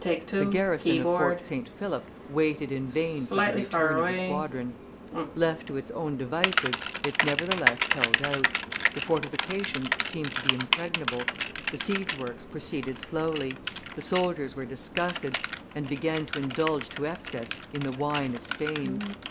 The garrison of Fort St. Philip waited in vain for the return of the squadron; left to its own devices, it nevertheless held out; the fortifications seemed to be impregnable; the siege works proceeded slowly; the soldiers were disgusted, and began to indulge to excess in the wine of Spain.